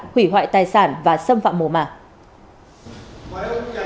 hủy hoại tài sản và xâm phạm mùa mạc